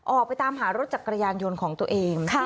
ออกไปตามหารถจักรยานยนต์ของตัวเอง